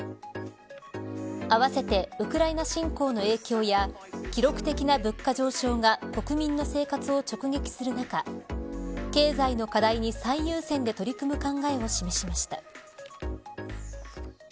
あわせてウクライナ侵攻の影響や記録的な物価上昇が国民の生活を直撃する中経済の課題に最優先で取り組む考えを示しました。